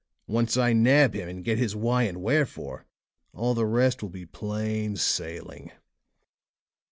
Once I nab him and get his why and wherefore, all the rest will be plain sailing."